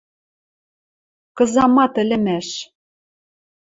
— Кызамат ӹлӹмӓш!..